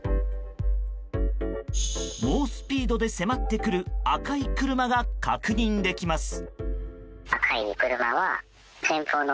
猛スピードで迫ってくる赤い車が確認できます。